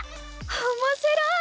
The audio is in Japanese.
おもしろい！